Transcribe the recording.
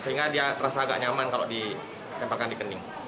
sehingga dia terasa agak nyaman kalau ditempelkan dikening